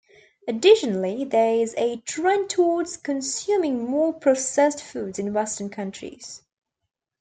Additionally, there is a trend towards consuming more processed foods in western countries.